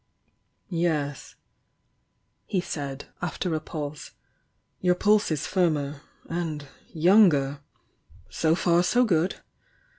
. "Yes," he said, after a pause, "your pulse is firmer —aad younger. So far, so good!